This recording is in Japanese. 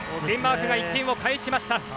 デンマーク、１点を返しました。